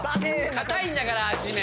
硬いんだから地面。